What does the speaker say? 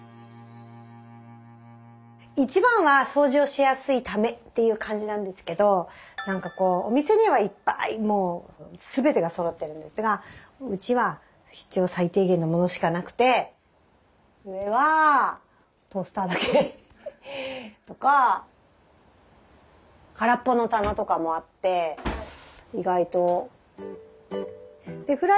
一番は掃除をしやすいためっていう感じなんですけど何かこうお店にはいっぱいもう全てがそろってるんですがうちは必要最低限のものしかなくて上はトースターだけとか空っぽの棚とかもあって意外と。